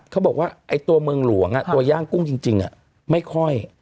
เขาบอกว่าไอ้ตัวเมืองหลวงตัวย่างกุ้งจริงไม่ค่อย